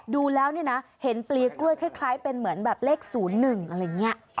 ดูแล้วนี่นะเห็นปรีกกล้วยคล้ายหรือเหมือนแบบเลขศูนย์หนึ่งอะไรเงี้ย